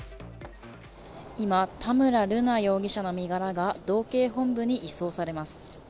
今、田村瑠奈容疑者の身柄が道警本部に移送されます。